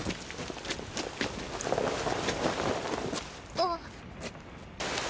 あっ。